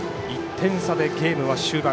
１点差でゲームは終盤。